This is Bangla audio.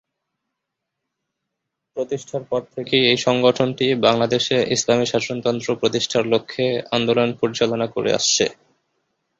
প্রতিষ্ঠার পর থেকেই এই সংগঠনটি বাংলাদেশে ইসলামী শাসনতন্ত্র প্রতিষ্ঠার লক্ষ্যে আন্দোলন পরিচালনা করে আসছে।